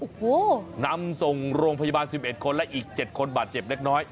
โอ้โหนำส่งโรงพยาบาล๑๑คนและอีก๗คนบาดเจ็บเล็กน้อย